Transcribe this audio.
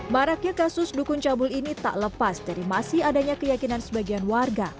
maraknya kasus dukun cabul ini tak lepas dari masih adanya keyakinan sebagian warga